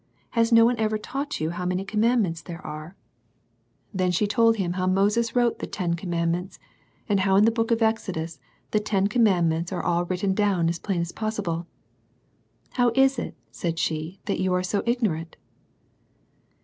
has no one ever taught you how many commandments there are ?" Then she told Vvim Wn "^o^^^^ ^wtckta LITTLE THINGS. I07 the ten commandments, and how in the book of Exodus the ten commandments are all written down as plain as possible. " How is it," said she " that you are so ignorant